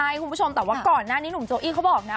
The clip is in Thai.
ใช่คุณผู้ชมแต่ว่าก่อนหน้านี้หนุ่มโจอี้เขาบอกนะ